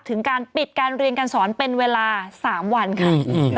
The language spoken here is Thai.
ถึงการปิดการเรียนการสอนเป็นเวลา๓วันค่ะ